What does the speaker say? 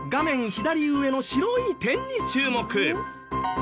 左上の白い点に注目。